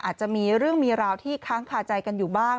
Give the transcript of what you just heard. อาจจะมีเรื่องมีราวที่ค้างคาใจกันอยู่บ้าง